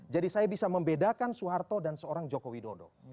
jadi saya bisa membedakan soeharto dan seorang jokowi dodo